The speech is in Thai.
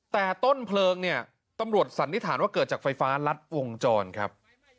แต่ต้นเพลิงเนี่ยตำรวจสันนิษฐานว่าเกิดจากไฟฟ้ารัดวงจรครับ